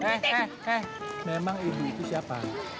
eh eh eh memang ibu itu siapa